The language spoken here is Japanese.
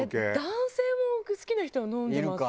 男性も好きな人は飲んでます。